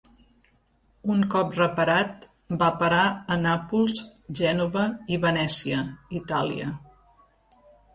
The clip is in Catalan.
Un cop reparat, va parar a Nàpols, Gènova i Venècia (Itàlia).